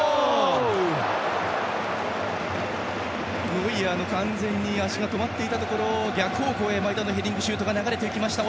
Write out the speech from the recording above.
ノイアーの足が止まっていたところを逆方向へ前田のヘディングシュートが流れた。